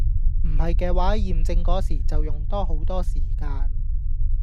唔係嘅話驗證個時就用多好多時間